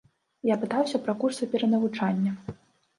Я пытаўся пра курсы перанавучання.